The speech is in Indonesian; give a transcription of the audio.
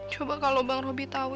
coba kalau bang roby tahu